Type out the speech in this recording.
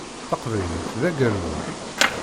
Taqbaylit d agerruj.